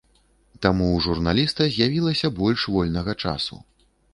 Таму ў журналіста з'явілася больш вольнага часу.